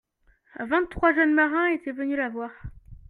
vingt trois jeunes marins étaient venus la voir.